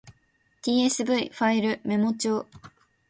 tsv ファイルメモ帳